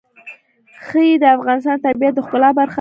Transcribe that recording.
ښتې د افغانستان د طبیعت د ښکلا برخه ده.